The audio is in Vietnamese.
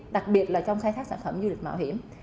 đặc biệt là trong khai thác sản phẩm du lịch mạo hiểm